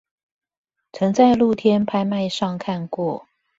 曾在露天拍賣上看過